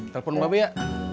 telepon mbak be ya